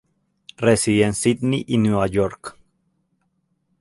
Reside en Sydney y Nueva York.